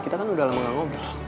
kita kan udah lama gak ngobrol